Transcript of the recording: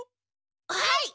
はい！